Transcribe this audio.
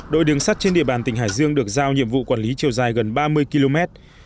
đội đường sắt trên địa bàn tỉnh hải dương được giao nhiệm vụ quản lý chiều dài gần ba mươi km